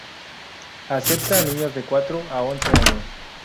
Acepta a niños de cuatro a once años.